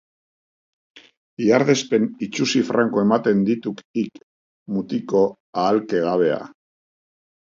Ihardespen itsusi franko ematen dituk hik, mutiko ahalkegabea!